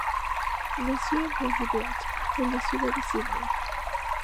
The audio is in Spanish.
Nació en Bondi Beach, en la ciudad de Sídney.